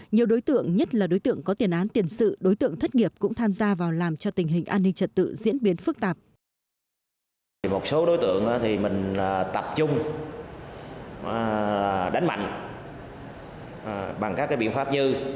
nhiều đối tượng nhất là đối tượng có tiền án tiền sự đối tượng thất nghiệp cũng tham gia vào làm cho tình hình an ninh trật tự diễn biến phức tạp